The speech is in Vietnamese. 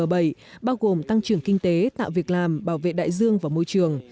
bao gồm tăng trưởng kinh tế tạo việc làm bảo vệ đại dương và môi trường